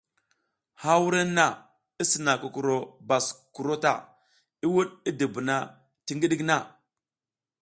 Ha wurenna i sina kukuro baskuro ta, i wuɗ i dubuna ti ngiɗik na.